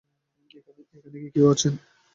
এখানে কি কেউ আছেন?